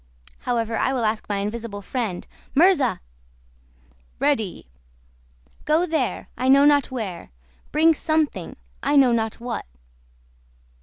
However, I will ask my invisible friend. Murza!" "Ready!" "Go there, I know not where; bring something, I know not what."